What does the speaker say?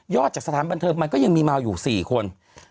จากสถานบันเทิงมันก็ยังมีเมาอยู่๔คน